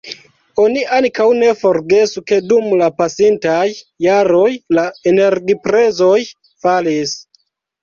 Oni ankaŭ ne forgesu ke dum la pasintaj jaroj la energiprezoj falis.